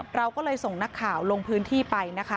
เราก็เลยส่งนักข่าวลงพื้นที่ไปนะคะ